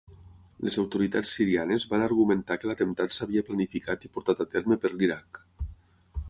Les autoritats sirianes van argumentar que l'atemptat s'havia planificat i portat a terme per l'Iraq.